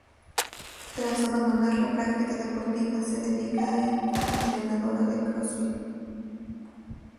Tras abandonar la práctica deportiva se dedica a entrenadora de crossfit.